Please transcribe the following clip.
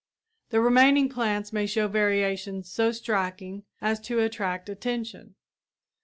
The remaining plants may show variations so striking as to attract attention.